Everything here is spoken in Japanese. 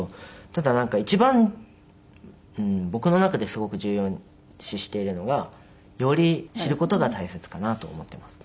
ただなんか一番僕の中ですごく重要視しているのがより知る事が大切かなと思っています。